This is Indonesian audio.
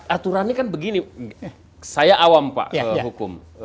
aturannya kan begini saya awam pak hukum